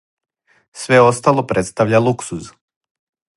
Све остало представља луксуз.